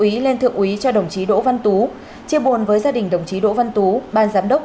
ý lên thượng úy cho đồng chí đỗ văn tú chia buồn với gia đình đồng chí đỗ văn tú ban giám đốc